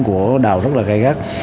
của đào rất là gai gắt